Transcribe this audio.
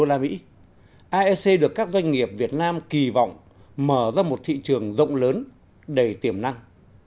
aic được các doanh nghiệp việt nam kỳ vọng mở ra một thị trường rộng lớn đầy tiềm năng